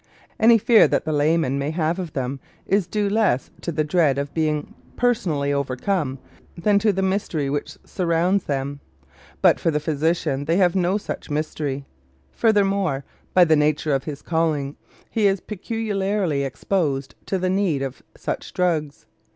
Any fear that the layman may have of them is due less to the dread of being personally overcome than to the mystery which surrounds them; but for the physician they have no such mystery. Furthermore, by the nature of his calling he is peculiarly exposed to the need of such drugs.